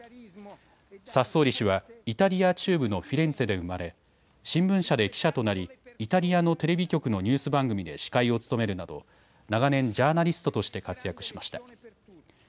サッソーリ氏は、イタリア中部のフィレンツェで生まれ、新聞社で記者となり、イタリアのテレビ局のニュース番組で司会を務めるなど、長年、ジャーナリストとして活躍しました。